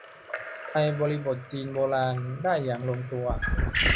ในบริบทจีนโบราณ ได้อย่างลงตัว